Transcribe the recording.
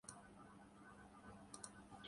اور پودوں کے پتے سبز